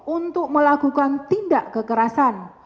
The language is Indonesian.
untuk melakukan tindak kekerasan